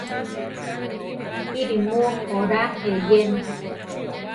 ¿Píri mu oraa eyene?